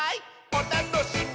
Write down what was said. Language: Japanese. おたのしみ！」